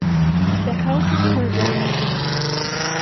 The house is currently a museum.